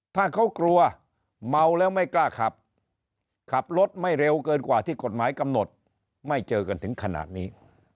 ถ้าเขากลัวเมาแล้วไม่กล้าขับขับรถไม่เร็วเกินกว่าที่กฎหมายกำหนดไม่เจอกันถึงขนาดนี้